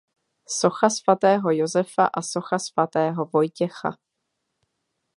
Socha svatého Josefa a socha svatého Vojtěcha.